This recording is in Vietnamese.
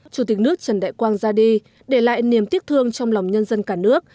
chủ tịch nước trần đại quang ra đi để lại niềm tiếc thương trong lòng nhân dân cả nước